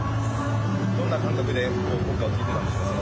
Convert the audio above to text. どんな感覚で国歌を聴いていたんですか？